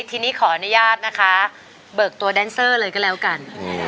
ทีนี้ขออนุญาตนะคะเบิกตัวแดนเซอร์เลยก็แล้วกัน